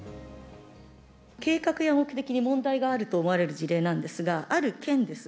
計画や目的に問題があると思われる事例なんですが、ある県です。